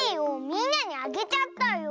みんなにあげちゃったよ。